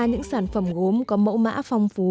những sản phẩm gốm có mẫu mã phong phú